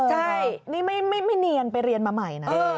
ใช่นี่ไม่เนียนไปเรียนมาใหม่นะ